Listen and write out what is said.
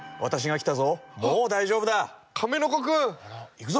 いくぞ！